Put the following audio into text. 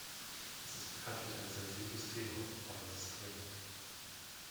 Das ist bekanntlich ein sensibles Thema, aber es ist dringend.